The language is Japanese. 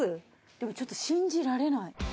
でもちょっと信じられない。